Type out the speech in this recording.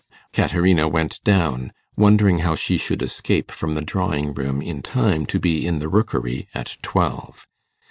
Caterina went down, wondering how she should escape from the drawing room in time to be in the Rookery at twelve.